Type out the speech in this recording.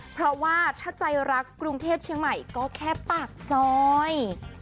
เพราะว่าถ้าใจรักกรุงเทพเชียงใหม่ก็แค่ปากซอย